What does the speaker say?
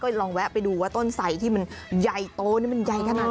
ลองแวะไปดูว่าต้นไสที่มันใหญ่โตนี่มันใหญ่ขนาดไหน